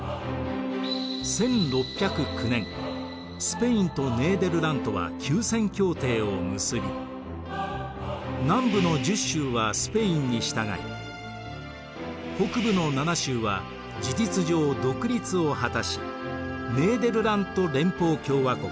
１６０９年スペインとネーデルラントは休戦協定を結び南部の１０州はスペインに従い北部の７州は事実上独立を果たしネーデルラント連邦共和国